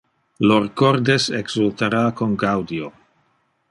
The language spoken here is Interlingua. Lor cordes exultara con gaudio!